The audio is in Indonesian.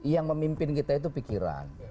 yang memimpin kita itu pikiran